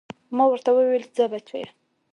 ما ورته وويل ځه بچيه.